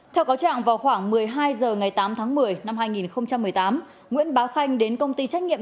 theo cáo trạng vào khoảng một mươi hai h ngày tám tháng một mươi năm hai nghìn một mươi tám nguyễn bá khanh đến công ty trách nhiệm